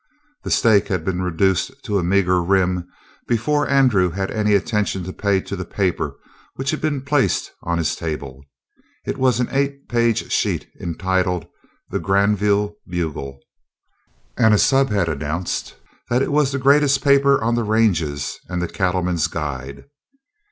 The steak had been reduced to a meager rim before Andrew had any attention to pay to the paper which had been placed on his table. It was an eight page sheet entitled The Granville Bugle, and a subhead announced that it was "the greatest paper on the ranges and the cattleman's guide."